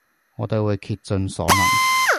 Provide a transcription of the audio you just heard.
我哋會竭盡所能